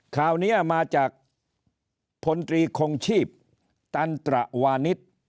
ข่าวนี้มาจากพลตรีคงชีพตันตระวานิส